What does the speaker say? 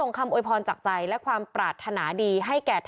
๑๖ล้านกว่าชีวิต